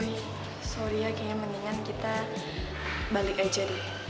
boy sorry ya kayaknya mendingan kita balik aja deh